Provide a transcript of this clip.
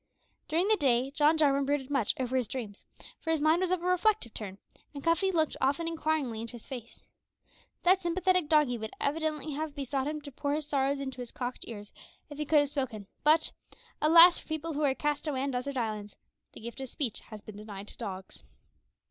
During the day John Jarwin brooded much over his dreams, for his mind was of a reflective turn, and Cuffy looked often inquiringly into his face. That sympathetic doggie would evidently have besought him to pour his sorrows into his cocked ears if he could have spoken; but alas! for people who are cast away on desert islands the gift of speech has been denied to dogs.